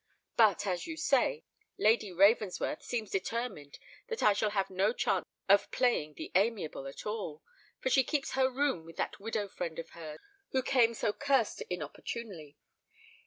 But, as you say, Lady Ravensworth seems determined that I shall have no chance of playing the amiable at all; for she keeps her room with that widow friend of hers who came so cursed inopportunely.